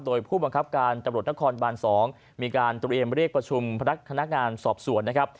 โดยผู้บังคับการตำรวจนครบาน๒มีการเตรียมเรียกประชุมพนักงานสอบสวนนะครับ